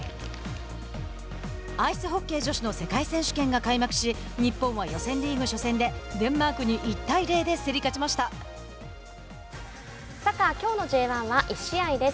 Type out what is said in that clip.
アイスホッケー女子の世界選手権が開幕し日本は予選リーグ初戦でデンマークに１対０でサッカーきょうのＪ１は１試合です。